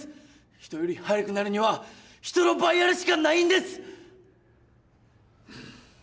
人より早くなるには人の倍やるしかないんです！